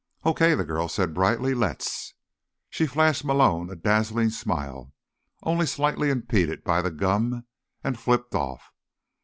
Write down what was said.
"Okay," the girl said brightly. "Let's." She flashed Malone a dazzling smile, only slightly impeded by the gum, and flipped off.